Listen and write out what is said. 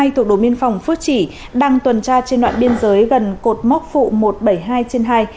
thuộc đồn biên phòng phước chỉ đang tuần tra trên đoạn biên giới gần cột mốc phụ một trăm bảy mươi hai trên hai